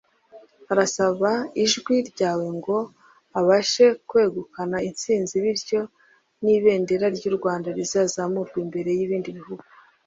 Arasaba ijwi ryawe ngo abashe kwegukana intsinzi bityo n’ibendera ry’u Rwanda rizamurwe imbere y’ibindi bihugu